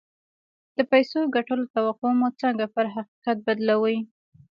د پيسو ګټلو توقع مو څنګه پر حقيقت بدلوي؟